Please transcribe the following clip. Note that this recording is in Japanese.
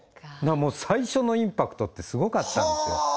最初のインパクトってスゴかったんですよは！